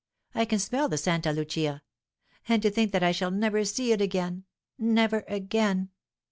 I can smell the Santa Lucia. And to think that I shall never see it again, never again.